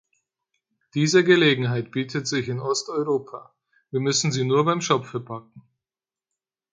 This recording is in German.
Diese Gelegenheit bietet sich in Osteuropa, wir müssen sie nur beim Schopfe packen.